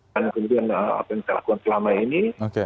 dan kemudian apa yang kita lakukan selama ini